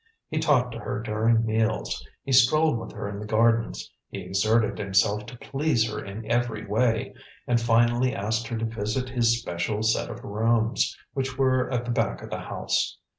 He talked to her during meals; he strolled with her in the gardens; he exerted himself to please her in every way, and finally asked her to visit his special set of rooms, which were at the back of the house.